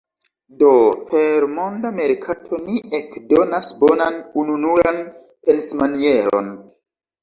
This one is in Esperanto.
Do, per monda merkato, ni ekdonas bonan, ununuran pensmanieron.